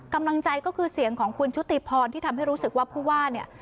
กำลังใจก็คือเสียงของคุณชุติพรที่ทำให้รู้สึกว่าผู้ว่าเนี่ย